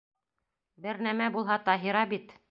Бер нәмә булһа -Таһира бит!